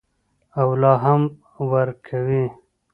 او لا هم ورکوي.